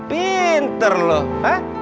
pinter lo hah